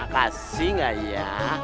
kasih gak ya